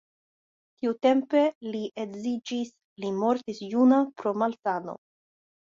Tiutempe li edziĝis, li mortis juna pro malsano.